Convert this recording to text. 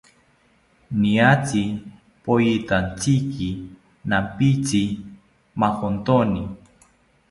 Niatzi poyitantziki nampitzi majontoni